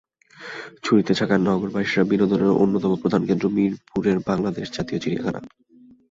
ছুটিতে থাকা নগরবাসীর বিনোদনের অন্যতম প্রধান কেন্দ্র মিরপুরের বাংলাদেশ জাতীয় চিড়িয়াখানা।